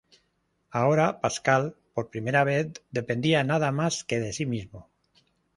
Ahora, Pascal por primera vez dependía nada más que de sí mismo.